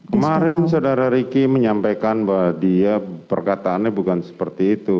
kemarin saudara ricky menyampaikan bahwa dia perkataannya bukan seperti itu